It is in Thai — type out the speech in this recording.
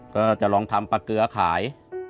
ก็จะลองทำปลาเกลือขาย